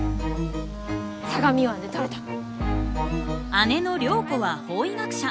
姉の涼子は法医学者。